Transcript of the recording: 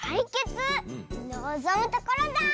のぞむところだ！